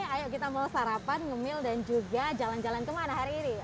ayo kita mulai sarapan ngemil dan juga jalan jalan kemana hari ini